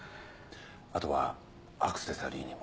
あとはアクセサリーにも。